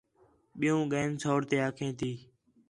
ٻِیوں ڳئین سوڑ تے آکھے تی